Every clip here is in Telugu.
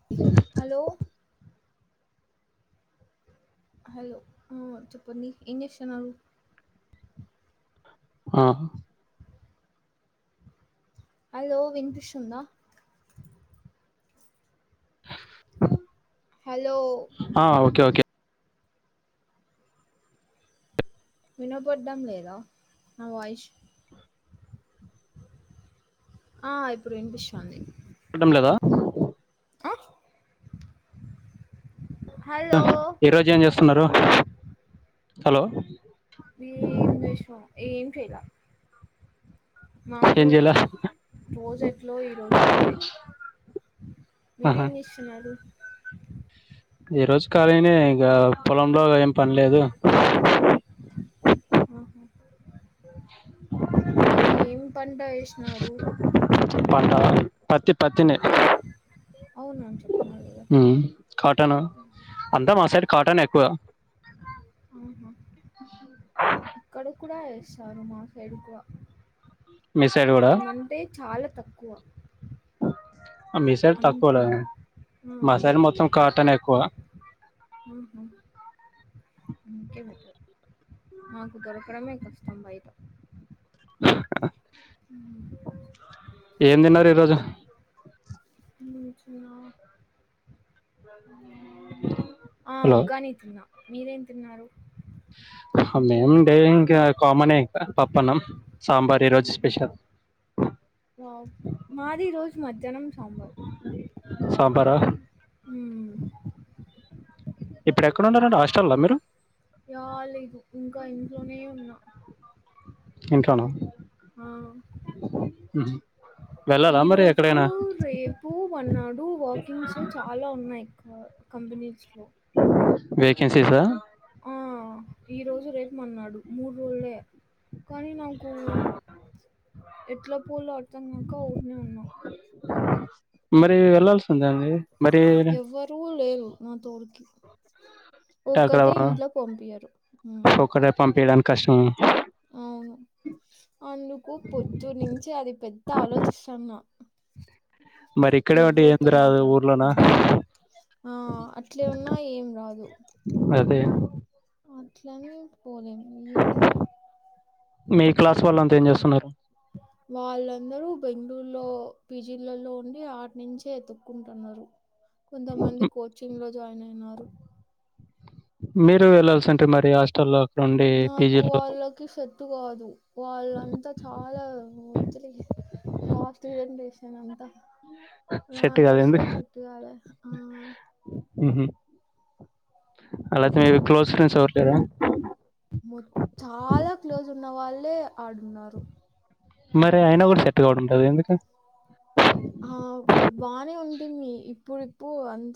[inaudible] హలో హలో అ చెప్పండి ఏం చెస్తున్నారు ఆ హలో విన్పిస్స్తుంద [inaudible] హలో ఆ ఓకే ఓకే వినబడ్డం లేద నా వాయిస్ అ ఇప్పుడు వినిపి [unintelligible] చూడం లేద అ హ అ ఈరోజు ఏం చేస్తున్నారు హలో ఏం చేసవ్ ఏం చేయలా ఏం మామూల్ చేయలే రోజ్ ఎట్లో ఈ రోజు అంతే ఆహా. మీరేం చేస్తున్నారు ఈ రోజు కాలీనే ఇగ పొలంలో ఏం పనిలేదు ఆహా [inaudible] మీరు ఏం పంట ఎసీనారు పంట పత్తి పత్తినే అవును అని చెప్తున్న కదా కాటన అంతా మా సైడ్ కాటనె ఎక్కువ ఆహా ఇక్కడ కూడా వేస్తారు మా [unintelligible] మీ సైడ్ కూడా ఏమంటే చాల తక్కువ మిసైడ్ తక్కువ అంత లే ఉండదు ఆ మసైడ్ మొత్తం కాటనే ఎక్కువ ఉహు అందుకే బెటర్ నాకు దొరకడమే కష్టం బైట ఏం తిన్నారు ఈరోజు [unintelligible] ఆ ఆ హలో ఉగ్గాని తిన్నా మీరేం తిన్నారు అహ మేము డే ఇంకా కామనే ఇంక పప్పనం, సాంబార్ ఈరోజు స్పెషల్ వావ్ మాది రోజు మధ్యాహ్నం సాంబార్ సాంబారా హ్మ్ ఇప్పుడెక్కడున్నారండి హాస్టల్ల మీరు రాలేదు ఇంక ఇంట్లోనే ఉన్నా ఇంట్లోన ఆ ఈ వెళ్ళాలా మరి రోజు ఎక్కడైనా రేప్ పూ మర్నాడు వాకింగ్స్ చాలా ఉన్నయి క కంపెనీస్ లో వేకెన్సీసా ఆ ఈ రోజు, రేపు, మర్నాడు మూడు రోజులే కనీ నాకు ఎట్ల పోలో అర్థంగాక ఊర్కనే ఉన్నా మరీ వెళ్లాల్సింది అండి మరి తూల్లేరు నా తోడుకి ఒక్కటే ఇంట్లో పంపియరు ఉమ్ ఒక్కతే పంపియడానికి కష్టము అవును అందుకు పొద్దున్నించి అది పెద్ద ఆలోచిస్తాన్న మరి ఇక్కడే ఉంటే ఎవర్తో ఏంది రాదు ఊర్లోనా మాట్లాడుకోకుండా ఆ అట్లే ఉన్నా ఏం గాదు అదే అట్లనీ పోలేను ఏందో మీ క్లాస్ వాళ్ అంత ఏం జేస్తున్నరు వాళ్ళందరూ బెంగుళూరులో పీ జీ లల్లో ఉండి ఆట్ నుంచే ఎతుక్కుంటన్నరు కొంతమంది కోచింగ్ లో జాయిన్ అయినారు మీరు వెళ్ళల్సంటే మరి హాస్టల్లో ఉండి నాకు పీజీలో వాళ్ళకి సెట్టు గాదు వాళ్ళంతా చాలా మొద్దులిగా ఫాస్ట్ జనరేషన్ అంతా సెట్ కాదు నాకస్సలు సెట్ట్ గాలే ఉమ్ ఉమ్ హ్ అలాయితే మీ క్లోజ్ ఫ్రెండ్స్ ఎవరు లేరా చాలా క్లోజ్ ఉన్న వాళ్ళే ఆడున్నారు మరి అయినా గూడా సెట్ కావడం లేదు ఎందుకు ఆ ఫ్ బానే ఉంటుంది ఇప్పుడిప్పుడు అంత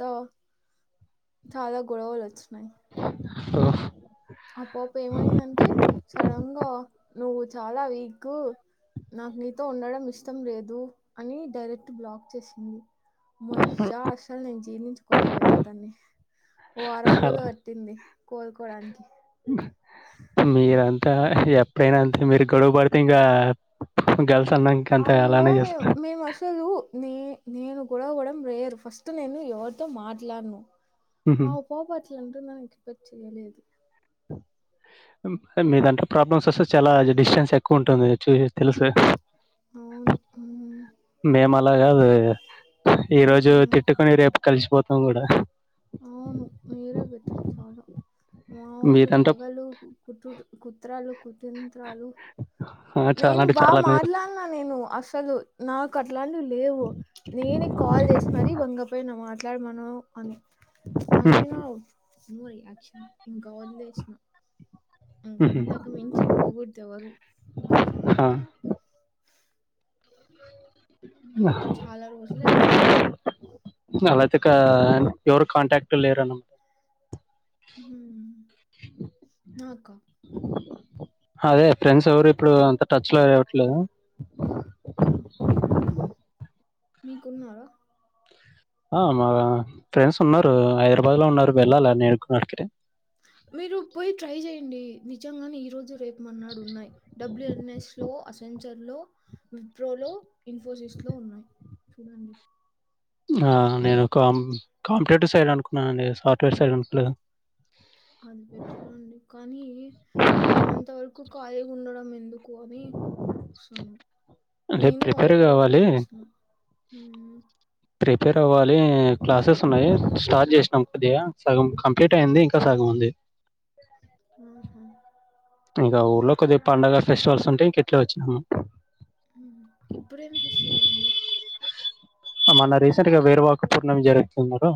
చాలా గొడవలు వచ్చినయి ఓ ఆ పాప ఏమైందంటే సడన్ గా నువ్వు చాలా వీక్ నాకు నీతో ఉండడం ఇష్టం లేదు అని డైరెక్ట్ బ్లాక్ చేసింది మొయ్యా అసలు నేను జీర్ణించుకోలేకపోయినా దాన్ని ఓ వారం అలా రోజులు పట్టింది కోలుకోడానికి మీరంతా ఎప్పుడైనా అంతే మీరు గొడవ పడితే ఇంకా గల్స్ అన్నంక్ అయ్యో మేము మేం అసలు నే నేను గొడవ పడడం రేరు ఫస్ట్ నేను ఎవరితో మాట్లాడను ఉహు ఆ పోపట్ల అంటుందని ఎక్స్పెక్ట్ చెయ్యలేదు ఉమ్ మీదాంట్ల ప్రాబ్లమ్స్ వస్తే చాలా డిస్టెన్స్ ఎక్కువుంటుంది చూసి తెలుసు లే అవును మేము అలా గాదు లే ఈ రోజు మ్మ్ తిట్టుకొని రేపు కలిసిపోతాం గూడా అవును మీరే బెటరు చాల మా వోళ్లు మీరంటే పగలు కుట్ కుత్రలు కుతంత్రాలు ఆ, చాలా నేను అంటే బాగా చాలానే చేస్తారు. మార్లాన్నా నేను అసలు నాకు అట్లాంటివి లేవు నేను కాల్ చేసి మరి వంగపోయిన మాట్లాడమను అని అయినా నో రియాక్షన్ ఇంకా ఒదిలేష్ణ ఇంక ఉహు. అంతకు మించి పోగూడదు ఎవరు మనిష్ ఆ, అన్నాంక చాలా రోజులే అడిగిన అలాతేకా యెవరు కాంటాక్ట్ లేరనో ఊమ్ నాక అదే ఫ్రెండ్స్వరు ఇప్పుడు అంత టచ్ లో ఏవ్వట్లేదు మీకున్నార ఆ మా ఫ్రెండ్స్ ఉన్నారు హైదరాబాద్ లో ఉన్నారు వెళ్ళాల నేడుకున్నడికి మీరు పోయి ట్రై చేయండి నిజంగానే ఈ రోజు రేపు మర్న్నాడు ఉన్నాయి డబ్ల్యూఎన్ఎస్ లో అసెం చర్లో విప్రో లో ఇన్ఫోసిస్ లో ఉన్నాయి చూడండి ఆ నేను కామ్ కాంప్యూటర్ సైడ్ అనుకున్నానండి సాఫ్ట్వేర్ సైడ్ అనుకులేదు అది బెట్టరండి కానీ ఆ అంతవరకు ఖాళీ ఉండడం ఎందుకు అని చూస్తన అంటే నేను అవి ప్రిపేర్ కూడా ట్రై కావాలి చేస్నా ఊమ్ ప్రిపేర్ అవ్వాలి క్లాసెస్ ఉన్నాయి స్టార్ట్ చేసినాం కొద్దిగా సగం కం పీట్ అయింది ఇంకా సగముంది ఆహ్ ఇంకా ఊర్లో కొద్ది పండగ ఫెస్టివల్స్ ఉంటే ఇంకెట్లా వచ్చినాము ఉహు ఇప్పుడేం ఫెస్టివలండి అ మన రీసెంట్ గా వేరువాక పూర్ణమి జరుపుతున్నరు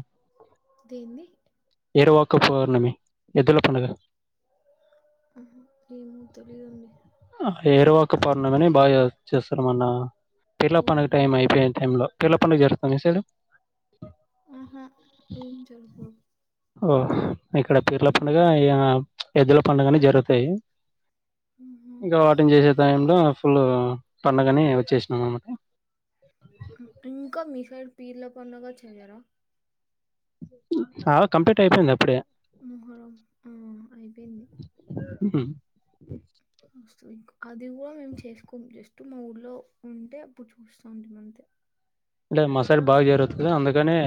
దేంది ఎరువాక పౌర్ణమి ఎద్దుల పండగ అహ ఏమో తెలీదండి అహ్ ఏరువాకపౌర్ణమి అని బాగా చేస్తారు మన్న పీర్ల పండగ ఓహో టైం అయిపోయిన టైంలో పీర్ల పండుగ జరుగుత మీ సైడు ఆహా ఏం జరుగవ్ ఓహ్ ఇక్కడ పీర్ల పండగ మ్మ్. ఇ య ఎద్దుల పండుగని జరుగుతాయి ఆహా. ఇంకా వాటిని చేసే టైంలో ఫుల్లు పండగని వచ్చేసినాం అనమాట ఉం ఇంకా మిసైడ్ పీర్ల పండగ చెయరా ఆ కంప్లీట్ అయిపోయింది అప్పుడే ముహరం ఆ అయిపోయింది ఉహు వస్తు ఇంక్ అది గూడా మేము చేసుకోము జస్ట్ మా ఊళ్ళో ఉంటే అప్పుడు చూస్తా ఉంటమంతే లేదు మ సైడు బాగా జరుగుతది అందుకనే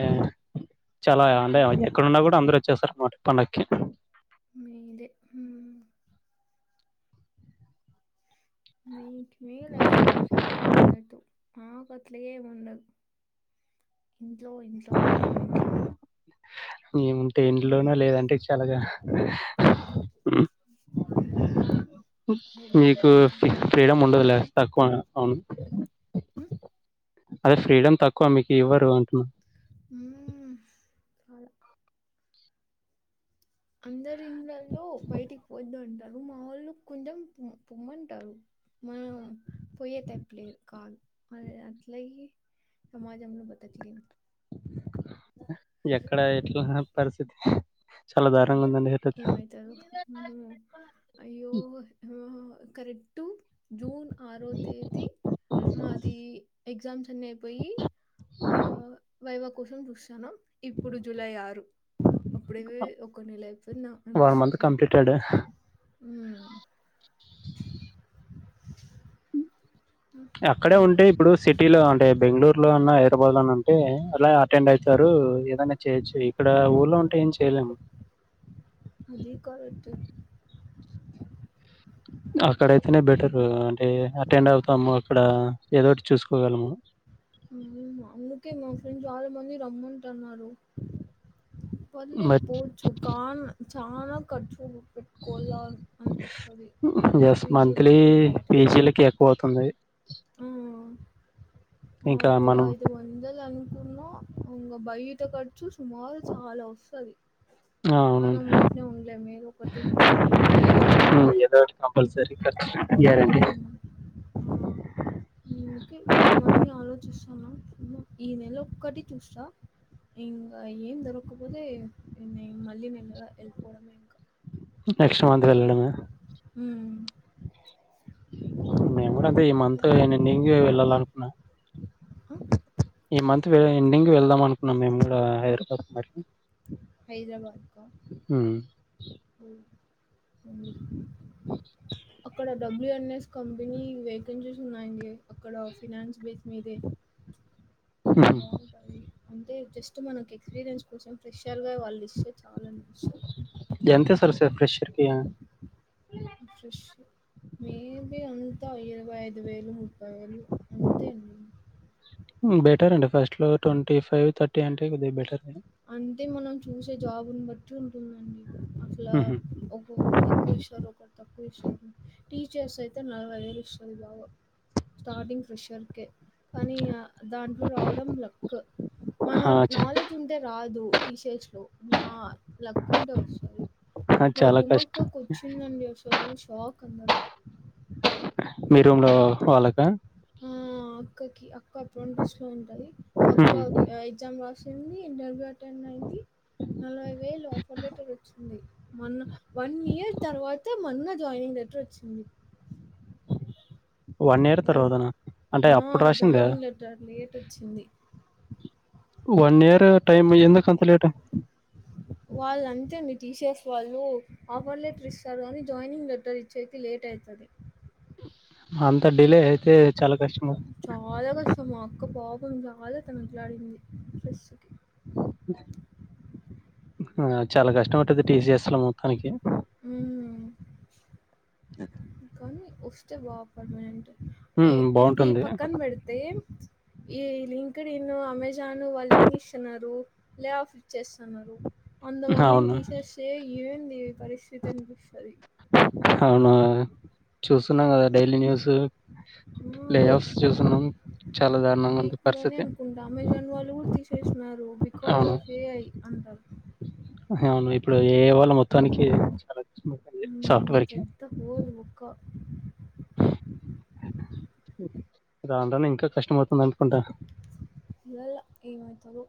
చాలా అంటే ఎక్కడున్నా గూడా అందరు ఒచ్చేస్తారు అన్నమాట పండక్కి మీదే హుమ్ మీకి మేలసలు ఫ్రీడ మందదు మాకట్ల ఏం ఉండదు ఇంట్లో ఇంట్లో ఇంట్లో ఇంట్లో. నేముంటే ఇంట్లోన లేదంటే చల్లగా అదే బెటర్ మీకు కొంచెం ఫ్రీడమ్ ఉండదులే తక్కువ అవును ఉ అదె ఫ్రీడమ్ తక్కువ మీకి ఇవ్వరు అంటున్నా. ఊహ్మ్ అందరి ఇళ్ళలో బయటికి పోవద్దు అంటారు మా వోళ్ళు కొంచెం పొమ్మంటారు మనం పోయే టైపులేదు కాదు మరి అట్లైయి సమాజము లో బతకలేము ఎక్కడా ఎట్లా పరిస్థితి. చాలా దారుణంగ ఉందండి [unintelligible] తెలుసు అయ్యో హో కరెక్టు జూన్ ఆరో తేది. మాదీ ఎగ్జామ్స్ అన్నీ అయిపోయి. ఆ వైవా కోసం చూస్తానం ఇప్పుడు జూలై ఆరు అప్పుడేవ ఒక నెల అయిపోయిందా అని అనిపిస్తోంది. ట్టడు ఊ ఇగ అక్కడే ఇది ఉంటే ఒకటి ఇప్పుడూ సిటీలో ఉం టే బెంగళూరు లో అన్నా హైదరాబాద్లో అన్న ఉంటే అట్లా అటెండ్ అయితరూ ఏదన్నా చేయొచ్చు. ఇక్కడా ఊళ్ళో ఉంటే ఏం చేయలేము. అది కరెక్ట్ అక్కడైతేనే బెటరు అంటే అటెండ్ అవుతాము అక్కడా ఏదోటి చూసుకోగలము. అందుకే మా ఫ్రెండ్స్ చాలా మంది రమ్మంటన్నారు. పర్లేదు బట్ పోవచ్చు కాన్ చానా ఖర్చులూ. పెట్టుకోవాలా అనిపిస్తది పీజీలకి బయటకి. పోతున్నయి ఆ ఇంకా అరు వేలా మనం అయిదు వ వందలు అనుకున్నా ఇంగ బయట ఖర్చు సుమారు చాలా వస్తది. ఆ, అవునా అవునండి మూట్నే ఉండలేం ఏదో ఒకటిక్ పోతాం. ఊ ఏదోటి కంపల్సరి ఖర్చు గ్యారంటి. ఓకే ఇవన్నీ ఆలోచిస్తాన్నా ఏమొ ఈ నెల ఒక్కటి చూస్తా. ఇంగ ఏం దొరక్కపోతే ఎండింగ్ మళ్ళీ నెలలా నెక్స్ట్ మంత్ వెళ్ళడమే హ్ము నేను గూడా అంతే ఈ దా మంతు ఎండింగే వెళ్ళాలనుకున్నా. ఆ! ఈ మంత్ ఎండింగ్ వెళ్దాం అనుకున్నాం మేము కూడా హైదరాబాద్ కు మరి. హైదరాబాద్ కా ఊ పోన్ పోండి అఓ అక్కడ డబ్ల్యూఎన్ఎస్ కంపినీ వేకెన్సీస్ ఉన్నాయండి. అక్కడ ఫినాన్స్ బేస్ మీదే అంటే జస్ట్ మనకి ఎక్స్పీరియన్స్ కోసం ఫ్రెషర్ గా వాళ్ళు ఇస్తే చాలా అనిపిస్తు ఎంత ఇస్తారు సార్ ఫ్రెషర్కి ఫ్రష్ మేబీ అంతా ఇరవై ఐదు వేలు ముప్పై వేలు అంతే అండి బెటర్ అండి ఫస్ట్ లో ట్వంటీ ఫైవ్ థర్టీ అంటే కొద్దిగా బెటర్ అంటే మనం చూసే జాబుని బట్టి ఉంటుందండి అసల ఒకోరు ఎక్కువ ఇస్తారు తక్కువ ఇస్తారు టీచర్స్ అయితే నలభై వేలు ఇస్తది బాగా స్టార్టింగ్ ఫ్రెషర్ కే కానీ దాంట్లో రావడం లక్కు మన నాలెడ్జ్ అయితే రాదు టీసిఎస్ లో నా లక్కు ఉంటే వస్తాది మా చాలా రూమ్ అక్కకూ కష్టం కోచ్చిందండి అసలు షాక్ అందరం మీ రూమ్ లో వాళ్ళక ఆ అక్కకి అక్క అప్పుడు ట్రెస్ట్ లో ఉంటాది అక్క ఎగ్జామ్ రా సింది ఇంటర్వ్యూ అటెండ్ అయింది నలభై వేలు ఆఫర్ లెటర్ వోచ్చింది మొన్న వన్ ఇయర్ తర్వాత మొన్న జాయినింగ్ లెటర్ వొచ్చింది వన్ ఇయర్ వాళ తర్వాతనా అంటే అప్పుడు ఆ రాసిందా జాయినింగ్ లెటర్ లేట్ ఓచ్చింది వన్ ఇయర్ టైమ్ ఎందుకు అంత లేట్ వాళ్లు అంతేండి టీసీఎస్ వాళ్ళు ఆఫర్ లెటర్ ఇస్తారు కాని జాయినింగ్ లెటర్ ఇచ్చేకి లేట్ అయితది అంత డిలే అయితే చాలా కష్టం చాలా కష్టం మా అక్క పాపం చాలా తనట్లాడింది స్ట్రెస్కి ఆ చాలా కష్టమాట టీసీఎస్ లో మొత్తానికి ఉమ్ ఏ కానీ వస్తే బా పర్మనెంట్ హ్మ్. ఇది బావుంటుంది. పక్కన పెడితే ఈ లింక్డిన్ అమెజాన్ వాళ్ళు యేంచేస్తున్నారు లే ఆఫ్ ఇచ్చేస్తున్నారు అంత మందిని అవును. తీసేస్తే ఏంది పరిస్థితి అనిపిస్తది అవునా చూస్తున్నాం కదా డైలీ న్యూస్ ఆ! లే ఆఫ్ చూస్తున్నాం చాలా ఈ దారుణంగా ఉంది వీక్ లోనే పరిస్థితి. అనుకుంటా అమెజాన్ వాళ్ళు కూడా తీసేసినారు బికాస్ అవును. ఆఫ్ ఏఐ అంటా అవును ఇప్పుడు ఏఐ వాళ మొత్తానికి చాలా కష్టమవుతుంది ఉమ్ సాఫ్ట్‌వేర్‌కి. పెద్ద హోల్ బొక్క రాను రాను ఇంకా కష్టం అవుతుంది అనుకుంటా చూడాలా ఏమైతదో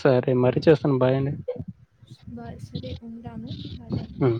సరే మరీ చేస్తాను బాయ్ అండి బాయ్ సరే ఉంటాను బాయ్ బాయ్ హ్మ్.